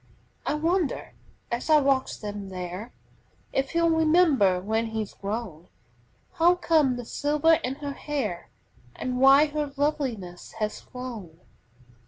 I wonder, as I watch them there, If he'll remember, when he's grown, How came the silver in her hair And why her loveliness has flown?